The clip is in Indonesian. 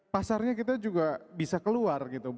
pasarnya kita juga bisa keluar gitu